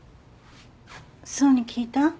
想に聞いた？